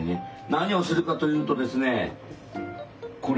何をするかというとですねこれ。